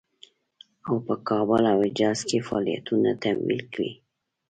او په کابل او حجاز کې فعالیتونه تمویل کړي.